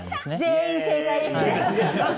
全員正解ですね